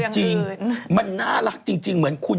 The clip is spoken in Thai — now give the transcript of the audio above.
จริงมันน่ารักจริงเหมือนคุณ